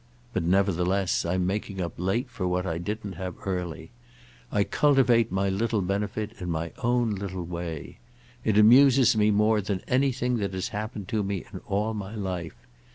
But nevertheless I'm making up late for what I didn't have early. I cultivate my little benefit in my own little way. It amuses me more than anything that has happened to me in all my life.